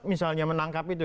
misalnya menangkap itu